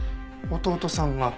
弟さんが？